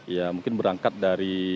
ya mungkin berangkat dari